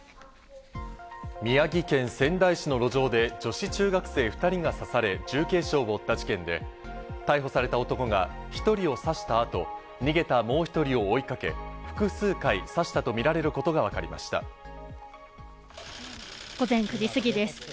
宮城県仙台市の路上で女子中学生２人が刺され重軽傷を負った事件で、逮捕された男が１人を刺した後、逃げたもう１人を追いかけ複数回刺したとみられることがわかりま午前９時過ぎです。